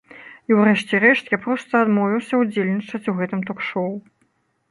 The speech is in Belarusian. І ў рэшце рэшт, я проста адмовіўся ўдзельнічаць у гэтым ток-шоў.